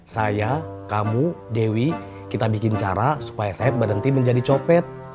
saya kamu dewi kita bikin cara supaya saya berhenti menjadi copet